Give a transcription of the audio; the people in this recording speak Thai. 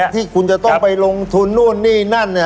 ที่คุณจะต้องไปลงทุนนู่นนี่นั่น